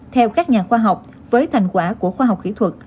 theo các nhà khoa học với thành quả của khoa học kỹ thuật